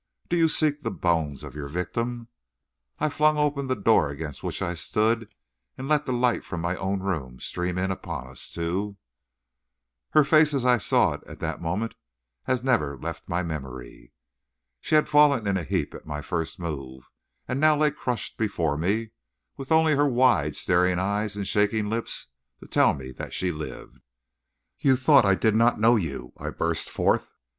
do you seek the bones of your victim?" I flung open the door against which I stood and let the light from my own room stream in upon us two. Her face as I saw it at that moment has never left my memory. She had fallen in a heap at my first move, and now lay crushed before me, with only her wide staring eyes and shaking lips to tell me that she lived. "You thought I did not know you," I burst forth.